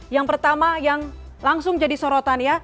yang pertama yang langsung jadi sorotan ya